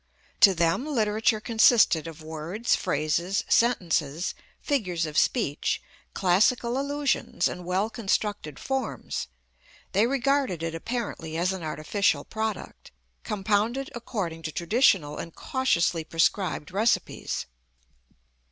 To them literature consisted of words, phrases, sentences, figures of speech, classical allusions, and well constructed forms. They regarded it apparently as an artificial product, compounded according to traditional and cautiously prescribed recipes.